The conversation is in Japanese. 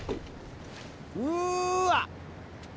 うわ！